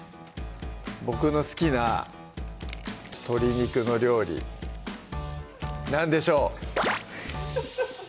僕の好きな鶏肉の料理何でしょう？